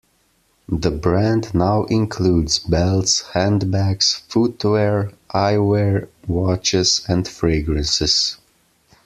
The brand now includes belts, handbags, footwear, eyewear, watches and fragrances.